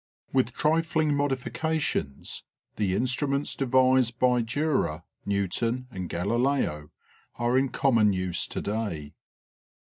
With triflg modifications the instruments devised by Durer, Newton, and Gallileo are in common use to day.